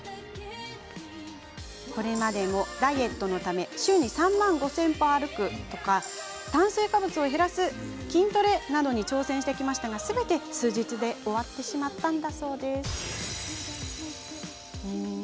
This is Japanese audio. これまでもダイエットのために週に３万５０００歩歩く炭水化物を減らす、筋トレなどに挑戦してきましたがすべて数日で終わってしまったんだそうです。